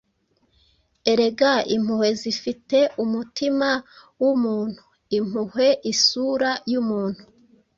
Erega Impuhwe zifite umutima wumuntu Impuhwe, isura yumuntu;